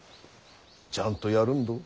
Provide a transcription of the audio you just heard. ちゃんとやるんど。